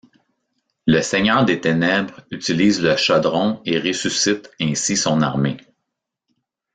Le Seigneur des Ténèbres utilise le chaudron et ressuscite ainsi son armée.